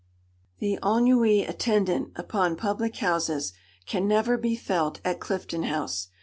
The ennui attendant upon public houses can never be felt at Clifton House.